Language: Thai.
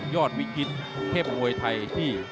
ยอดวิกิทเข็พมวยไทด์